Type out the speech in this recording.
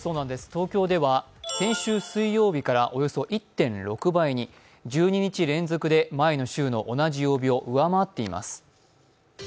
東京では先週水曜日からおよそ１．６倍に１２日連続で前の週の同じ曜日を上回っています。